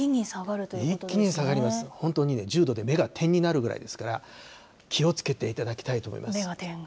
一気に下がります、本当にね、１０度で目が点になるぐらいですから、気をつけていただきたいと目が点。